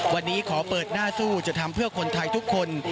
วันนี้ขอเปิดหน้าสู้จะทำเพื่อคนไทยทุกคน